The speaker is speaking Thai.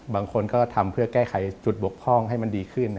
บางคนก็ทำเพื่อแก้ไขจุดบกพร่องให้มันดีขึ้น